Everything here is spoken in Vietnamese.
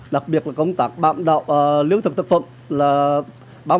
đặc biệt là công tác bạm đạo lưỡng thực thực phận